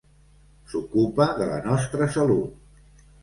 S'ocupa de la nostra salut.